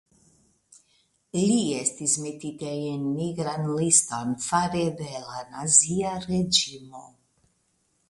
Li estis metita en Nigran liston fare de la Nazia reĝimo.